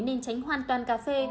nên tránh hoàn toàn cà phê